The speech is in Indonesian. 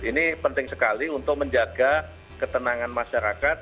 ini penting sekali untuk menjaga ketenangan masyarakat